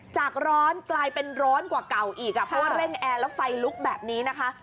จากร้อนกลายเป็นร้อนกว่าเก่าอีกเพราะว่าเร่งแอร์แล้วไฟลุกแบบนี้นะคะ